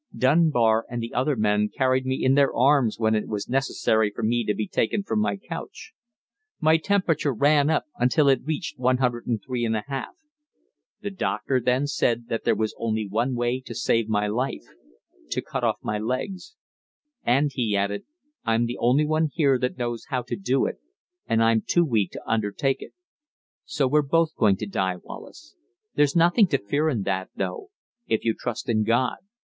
Dunbar and the other men carried me in their arms when it was necessary for me to be taken from my couch. My temperature ran up until it reached 103 1/2. The doctor then said there was only one way to save my life to cut off my legs. "And," he added, "I'm the only one here that knows how to do it, and I'm too weak to undertake it. So were both going to die, Wallace. There's nothing to fear in that, though, if you trust in God."